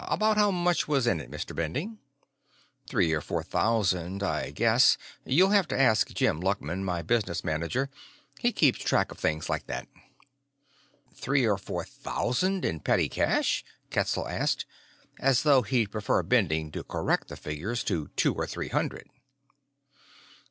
About how much was in it, Mr. Bending?" "Three or four thousand, I imagine: you'll have to ask Jim Luckman, my business manager. He keeps track of things like that." "Three or four thousand in petty cash?" Ketzel asked, as though he'd prefer Bending to correct the figure to "two or three hundred."